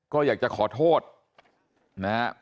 การครู